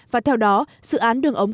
và theo đó dự án đường ống